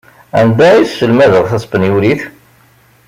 Anda ay sselmadeɣ taspenyulit?